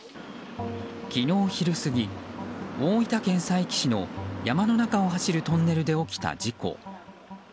昨日昼過ぎ大分県佐伯市の山の中を走るトンネルで起きた事故。